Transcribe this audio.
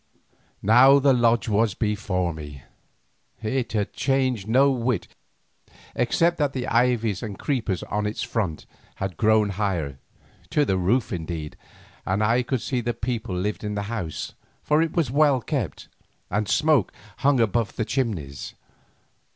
Now the Lodge was before me; it had changed no whit except that the ivy and creepers on its front had grown higher, to the roof indeed, and I could see that people lived in the house, for it was well kept, and smoke hung above the chimneys.